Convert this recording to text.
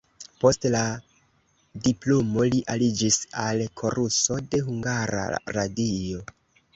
Post la diplomo li aliĝis al koruso de Hungara Radio.